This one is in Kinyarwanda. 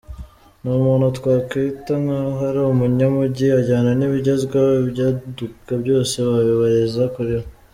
Ni umuntu twakwita nkaho ari umunyamujyi, ajyana n’ibigezweho, ibyaduka byose wabibariza kuri we.